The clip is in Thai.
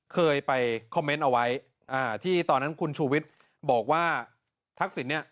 เคยไปคอมเมนต์เอาไว้ที่ตอนนั้นคุณชูวิทย์บอกว่าทักษิณเนี่ย